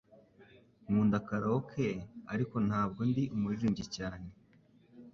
Nkunda karaoke, ariko ntabwo ndi umuririmbyi cyane.